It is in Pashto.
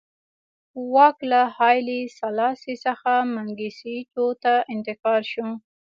واک له هایلي سلاسي څخه منګیسټیو ته انتقال شو.